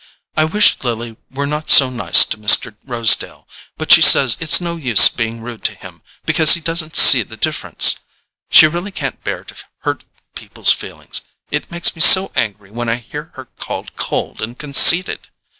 I wish Lily were not so nice to Mr. Rosedale, but she says it's no use being rude to him, because he doesn't see the difference. She really can't bear to hurt people's feelings—it makes me so angry when I hear her called cold and conceited!